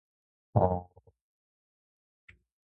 それは押忍でしょ